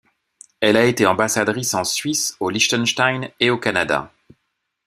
Elle a été ambassadrice en Suisse, au Liechtenstein et au Canada.